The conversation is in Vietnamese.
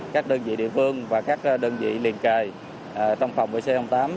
các đơn vị địa phương và các đơn vị liên kề trong phòng của c tám